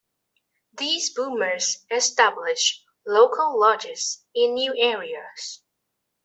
These boomers established local lodges in new areas.